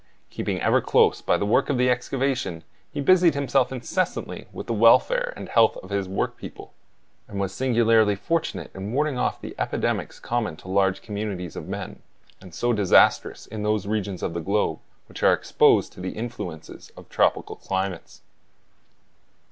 Keeping ever close by the work of excavation, he busied himself incessantly with the welfare and health of his workpeople, and was singularly fortunate in warding off the epidemics common to large communities of men, and so disastrous in those regions of the globe which are exposed to the influences of tropical climates.